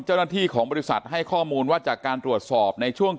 เจ้าหน้าที่ของบริษัทให้ข้อมูลว่าจากการตรวจสอบในช่วง